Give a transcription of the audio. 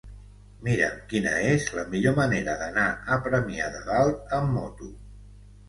Mira'm quina és la millor manera d'anar a Premià de Dalt amb moto.